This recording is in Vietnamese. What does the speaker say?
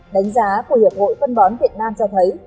đánh giá của hiệp hội phân bón việt nam cho thấy